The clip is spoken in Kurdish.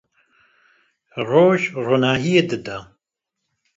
Roj ronahiyê dide